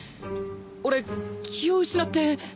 俺気を失って。